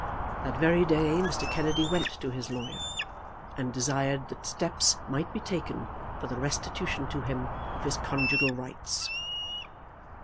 That very day Mr. Kennedy went to his lawyer, and desired that steps might be taken for the restitution to him of his conjugal rights.